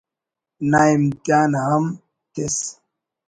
نا امتحان ہم تس